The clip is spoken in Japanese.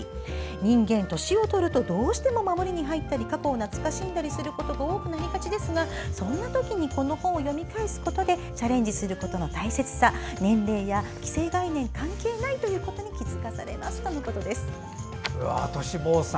人間、年をとるとどうしても守りに入ったり過去を懐かしんだりすることが多くなりがちですがそんな時にこの本を読み返すことでチャレンジすることの大切さ年齢や既成概念は関係ないということに気付かされましたとのことです。としぼーさん